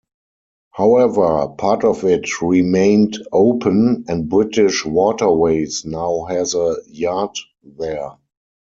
However, part of it remained open and British Waterways now has a yard there.